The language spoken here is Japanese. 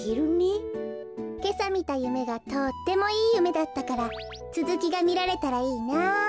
けさみたゆめがとってもいいゆめだったからつづきがみられたらいいなあ。